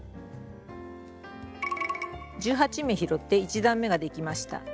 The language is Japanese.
１８目拾って１段めができました。